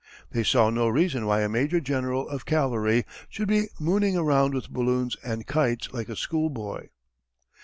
They saw no reason why a major general of cavalry should be mooning around with balloons and kites like a schoolboy.